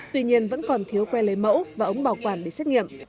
tuy nhiên vẫn còn thiếu que lấy mẫu và ống bảo quản để xét nghiệm